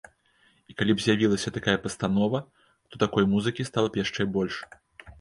І калі б з'явілася такая пастанова, то такой музыкі стала б яшчэ больш.